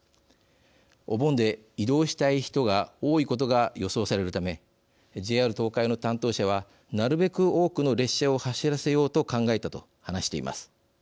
お盆で移動したい人が多いことが予想されるためＪＲ東海の担当者は「なるべく多くの列車を走らせようと考えた」と話しています。